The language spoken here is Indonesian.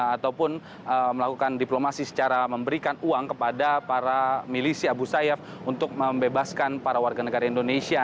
ataupun melakukan diplomasi secara memberikan uang kepada para milisi abu sayyaf untuk membebaskan para warga negara indonesia